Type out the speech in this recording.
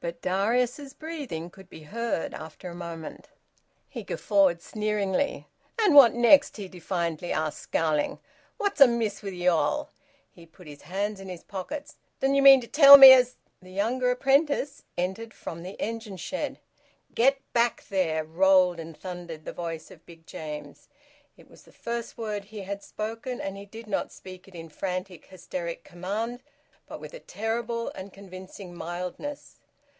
But Darius's breathing could be heard after a moment. He guffawed sneeringly. "And what next?" he defiantly asked, scowling. "What's amiss wi' ye all?" He put his hands in his pockets. "Dun ye mean to tell me as " The younger apprentice entered from the engine shed. "Get back there!" rolled and thundered the voice of Big James. It was the first word he had spoken, and he did not speak it in frantic, hysteric command, but with a terrible and convincing mildness.